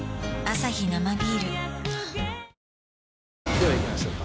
ではいきましょうか。